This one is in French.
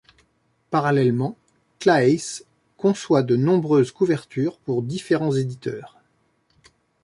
Parallèlement, Claeys conçoit de nombreuses couvertures pour différents éditeurs.